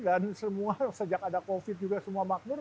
dan semua sejak ada covid juga semua makmur